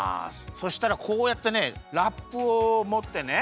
そしたらこうやってねラップをもってね